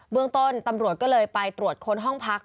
เมืองต้นตำรวจก็เลยไปตรวจค้นห้องพัก